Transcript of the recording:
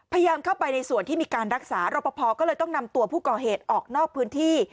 พยายามเข้าไปในส่วนที่มีการรักษารอปภก็เลยต้องนำตัวผู้ก่อเหตุออกนอกพื้นที่